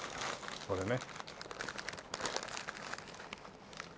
これね。